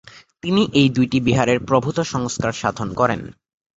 তিনি এই দুইটি বিহারের প্রভূত সংস্কার সাধন করেন।